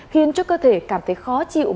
khiến cho cơ thể cảm thấy khó chịu